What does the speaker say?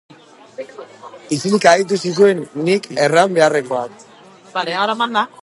Isilik aditu zituen nik erran beharrekoak.